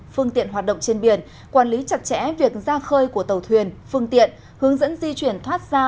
phương tiện hoạt động trên biển quản lý chặt chẽ việc ra khơi của tàu thuyền phương tiện hướng dẫn di chuyển thoát ra